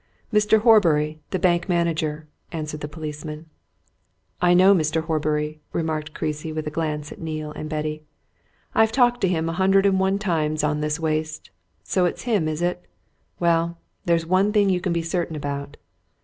"Mr. Horbury, the bank manager," answered the policeman. "I know Mr. Horbury," remarked Creasy, with a glance at Neale and Betty. "I've talked to him a hundred and one times on this waste. So it's him, is it? Well, there's one thing you can be certain about."